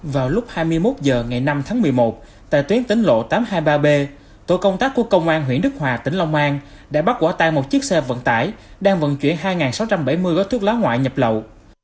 vào lúc hai mươi một h ngày năm tháng một mươi một tại tuyến tính lộ tám trăm hai mươi ba b tổ công tác của công an huyện đức hòa tỉnh long an đã bắt quả tay một chiếc xe vận tải đang vận chuyển hai sáu trăm bảy mươi gói thuốc lá ngoại nhập lậu